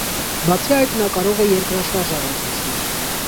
Բացի այդ նա կարող է երկրաշարժ առաջացնել։